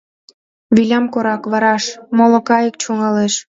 Вилям корак, вараш, моло кайык чӱҥгалеш.